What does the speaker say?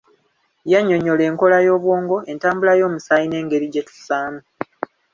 Yannyonyola enkola y'obwongo, entambula y'omusaayi n'engeri gye tussaamu.